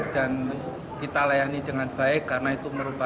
dan kita layani dengan baik karena itu merupakan